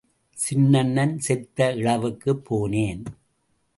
சின்னண்ணன் செத்த இழவுக்குப் போனேன்.